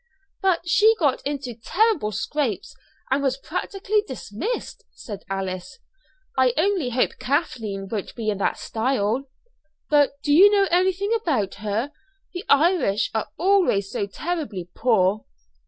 "But she got into terrible scrapes, and was practically dismissed," said Alice. "I only hope Kathleen won't be in that style." "But do you know anything about her? The Irish are always so terribly poor."